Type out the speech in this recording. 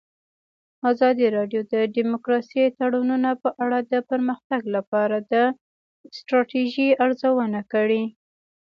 ازادي راډیو د سوداګریز تړونونه په اړه د پرمختګ لپاره د ستراتیژۍ ارزونه کړې.